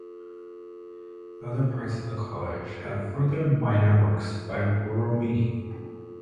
Other parts of the College have further minor works by Borromini.